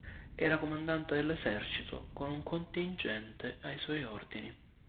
Era comandante dell'esercito, con un contingente ai suoi ordini.